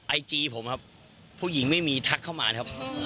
ไอจีผมครับผู้หญิงไม่มีทักเข้ามานะครับ